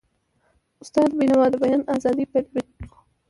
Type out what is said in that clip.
استاد بینوا د بیان د ازادی پلوی و.